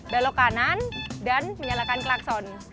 belok kanan dan menyalakan klakson